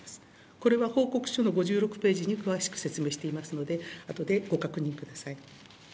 これは報告書の５６ページに詳しく説明していますので、あとでご確認ください。